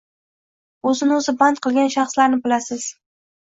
O‘zini o‘zi band qilgan shaxslarni bilasiz.